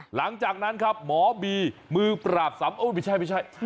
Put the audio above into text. หลังจากนั้นครับหมอบีมือปราบสามอ้อไม่ใช่